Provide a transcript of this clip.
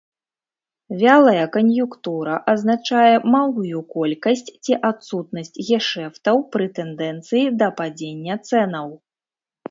Вялая кан'юнктура азначае малую колькасць ці адсутнасць гешэфтаў пры тэндэнцыі да падзення цэнаў.